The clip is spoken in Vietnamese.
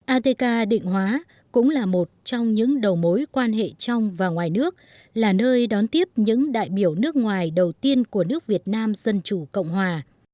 atk định hóa cũng là một trong những đầu mối quan hệ trong và ngoài nước là nơi đón tiếp những đại biểu nước ngoài đầu tiên của nước việt nam dân chủ cộng hòa